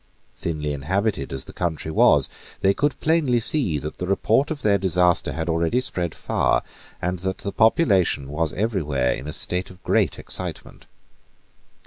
Thinly inhabited as the country was, they could plainly see that the report of their disaster had already spread far, and that the population was every where in a state of great excitement.